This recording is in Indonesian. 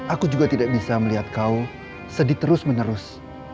aku juga tidak bisa melihat kau sedih terus menerus